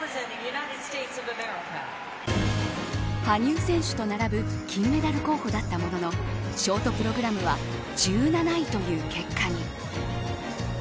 羽生選手と並ぶ金メダル候補だったもののショートプログラムは１７位という結果に。